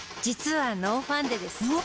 実はノーファンデです。